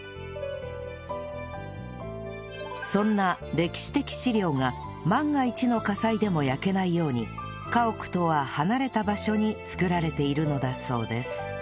そんな歴史的資料が万が一の火災でも焼けないように家屋とは離れた場所に造られているのだそうです